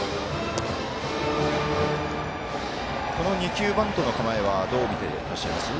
この２球、バントの構えはどう見ていらっしゃいます？